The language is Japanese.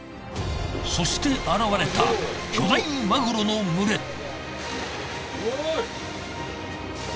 そして現れた巨大マグロの群れ。